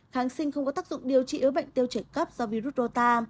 kháng sinh không có tác dụng điều trị với bệnh tiêu trẻ cấp do virus rô ta